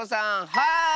はい！